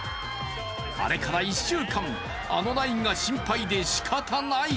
あれから１週間、あのナインが心配でしかたない。